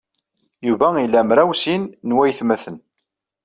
Yuba ila mraw sin n waytmaten.